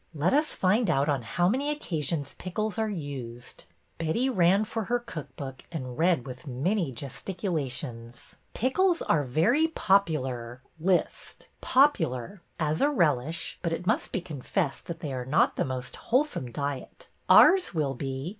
Let us find out on how many occasions pickles are used/^ Betty ran for her cook book and read with many gesticulations :' Pickles are very popular '— list —' popu lar '—^ as a relish, but it must be confessed that they are not the most wholesome diet '— ours will be